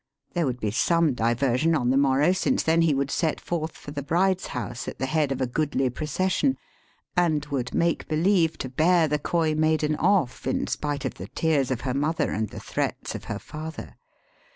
There would be some diversion on the morrow, since then he would set forth for the bride's house at the head of a goodly pro cession, and would make believe to bear the coy maiden off in spite of the tears of her mother and the threats of her father.